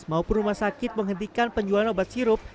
maupun rumah sakit menghentikan penjualan obat sirup